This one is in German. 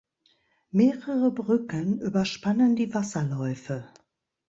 Mehrere Brücken überspannen die Wasserläufe.